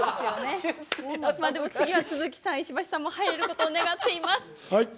でも次は都築さん、石橋さんも入れることを祈っています。